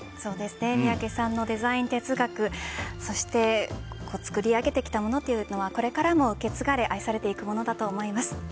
三宅さんのデザイン哲学作り上げてきたものというのはこれからも受け継がれ愛されていくものだと思います。